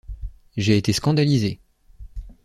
J'ai été scandalisée.